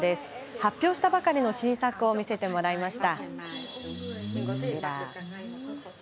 発表したばかりの新作を見せてくれました。